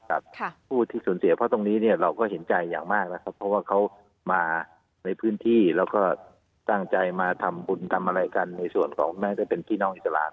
ผู้ที่สูญเสียเพราะตรงนี้เนี่ยเราก็เห็นใจอย่างมากนะครับเพราะว่าเขามาในพื้นที่แล้วก็ตั้งใจมาทำบุญทำอะไรกันในส่วนของน่าจะเป็นพี่น้องอิสลาม